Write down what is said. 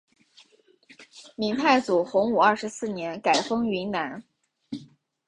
明太祖洪武二十四年改封云南。